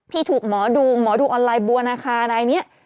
พี่ถูกหมอดูออนไลน์บัวนาคาอะไรเนี่ย